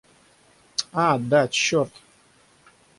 А, да, черт!